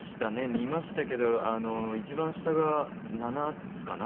見ましたけど一番下が７つかな？